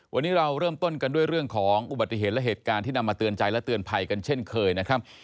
วันนี้เราเริ่มต้นกันด้วยเรื่องของอุบัติเหตุและเหตุการณ์ที่นำมาเตือนใจและเตือนภัยกันเช่นเคยนะครับ